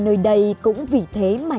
nơi đây cũng vì thế mà